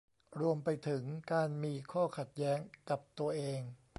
รวมไปถึงการมีข้อขัดแย้งกับตัวเอง